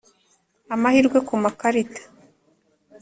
amahirwe ku makarita,